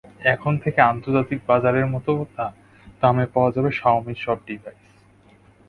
এখন থেকে আন্তর্জাতিক বাজারের মতো দামে পাওয়া যাবে শাওমির সব ডিভাইস।